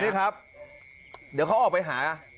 นี่ครับเดี๋ยวเขาออกไปหา